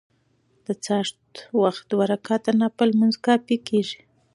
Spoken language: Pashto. د څاښت وخت دوه رکعته نفل لمونځ کافي کيږي .